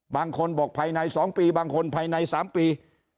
บางคนบอกภายใน๒ปีบางคนภายใน๓ปี